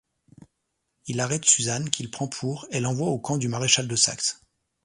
Il arrête Suzanne, qu’il prend pour et l’envoie au camp du maréchal de Saxe.